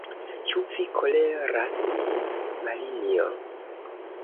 Ĉu vi koleras min, Marinjo?